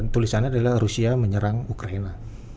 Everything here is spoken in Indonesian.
tulisannya adalah rusia menyerang ukraina